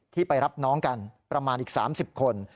ไปรับน้องกันประมาณอีก๓๐คน